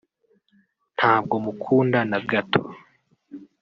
"Ntabwo mukunda na gato